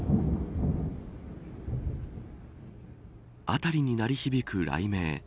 辺りに鳴り響く雷鳴。